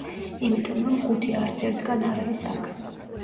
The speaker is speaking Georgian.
იმიტომ, რომ ხუთი არც ერთგან არ არის აქ.